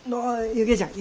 雪衣ちゃん。